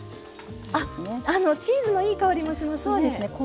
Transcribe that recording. あっチーズのいい香りもしますねえ。